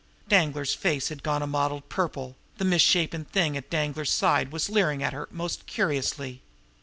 Danglar's face had gone a mottled purple; the misshapen thing at Danglar's side was leering at her most curiously.